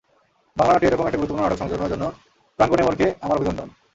বাংলা নাট্যে এইরকম একটা গুরুত্বপূর্ণ নাটক সংযোজনের জন্য প্রাঙ্গণেমোরকে আমার অভিনন্দন।